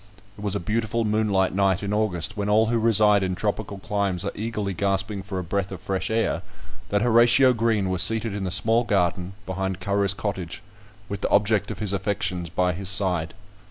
It was a beautiful moonlight night in August, when all who reside in tropical climes are eagerly gasping for a breath of fresh air, that Horatio Green was seated in the small garden behind Currer's cottage, with the object of his affections by his side.